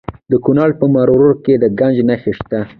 د کونړ په مروره کې د ګچ نښې شته.